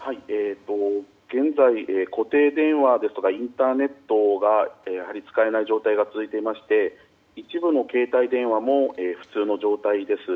現在、固定電話ですとかインターネットが使えない状態が続いていまして一部の携帯電話も普通の状態です。